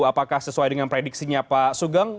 apakah sesuai dengan prediksinya pak sugeng